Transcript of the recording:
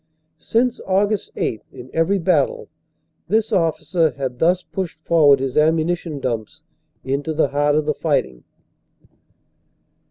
Since Aug. 8, in every battle, this officer had thus pushed forward his ammuni tion dumps into the heart of the fighting.